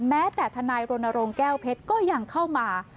แม้แต่ทนายรณรงค์แก้วเพชรก็ยังเข้ามา